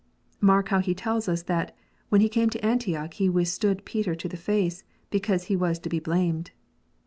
Mark how he tells us that "when he came to Antioch he withstood Peter to the face, because he was to be blamed."